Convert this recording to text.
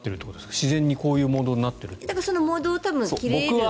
自然にこういうモードになっている？